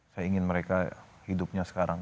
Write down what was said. saya ingin mereka hidupnya sekarang